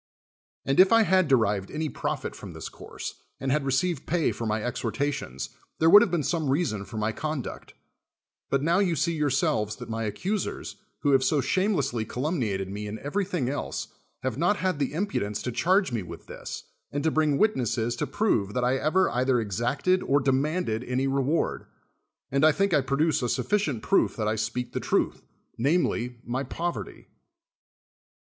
And if I had derived any profit from this course, and had received pay for my ex hortations, there would have been some reason for my conduct : but now you see yourselves that my accusers, who have so shamelessly calumni ated me in everything else, have not had the impudence to charge me with this, and to briug >vitnesses to prove that I ever either exacted or demanded any reward. And I think I produce a sufficient proof that I speak the truth, namely, my poverty.